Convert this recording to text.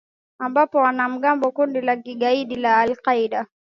ambapo wanamgambo wa kundi la kigaidi la al qaeda